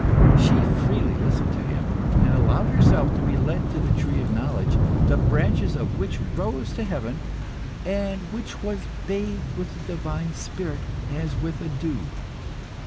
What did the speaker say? She freely listened to him, and allowed herself to be led to the tree of knowledge, the branches of which rose to heaven, and which was bathed with the divine spirit as with a dew.